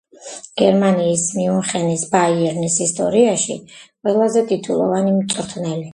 გერმანიის და მიუნხენის ბაიერნის ისტორიაში ყველაზე ტიტულოვანი მწვრთნელი.